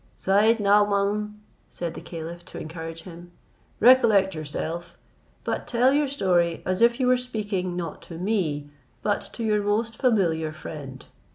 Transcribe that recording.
"Syed Naomaun," said the caliph, to encourage him, "recollect yourself, but tell your story as if you were speaking not to me, but to your most familiar friend.